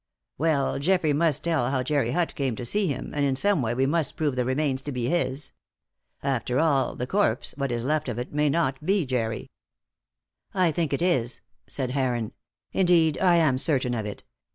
"Well, Geoffrey must tell how Jerry Hutt came to see him, and in some way we must prove the remains to be his. After all, the corpse what is left of it may not be Jerry!" "I think it is," said Heron. "Indeed, I am certain of it.